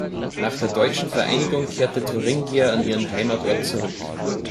Nach der deutschen Vereinigung kehrte Thuringia an ihren Heimatort zurück.